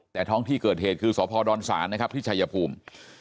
แต่ท้องที่เกิดเหตุคือสพดศาลนะครับที่ชายภูมิ